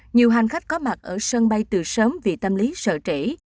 nhiều hành khách có mặt ở sân bay từ sớm vì tâm lý sợ trễ